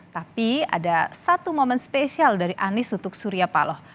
tapi ada satu momen spesial dari anies untuk surya paloh